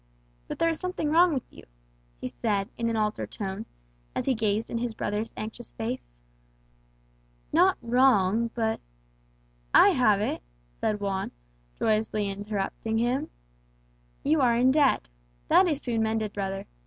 But there is something wrong with you," he said in an altered tone, as he gazed in his brother's anxious face. "Not wrong, but " "I have it!" said Juan, joyously interrupting him. "You are in debt. That is soon mended, brother.